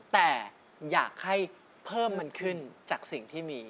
แต่อยากให้เพิ่มมันขึ้นจากสิ่งที่มี